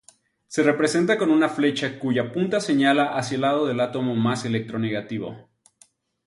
Se representa con una flecha cuya punta señala hacia el átomo más electronegativo.